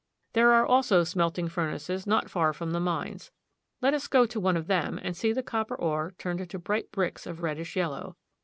There are also smelting furnaces not far from the mines. Let us go to one of them and see the copper ore turned into bright bricks of reddish yellow.